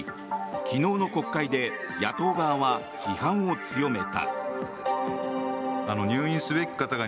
昨日の国会で野党側は批判を強めた。